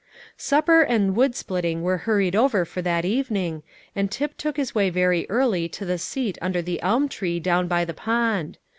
Supper and wood splitting were hurried over for that evening, and Tip took his way very early to the seat under the elm tree down by the pond.